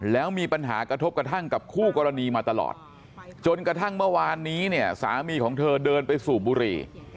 แล้วมีปัญหากระทบกระทั่งกับคู่กรณีมาตลอดจนกระทั่งเมื่อวานนี้เนี่ยสามีของเธอเดินไปสูบบุหรี่